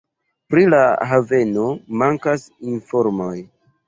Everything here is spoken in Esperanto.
Pri la haveno mankas informoj.